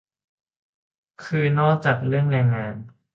คือนอกจากเรื่องแรงงาน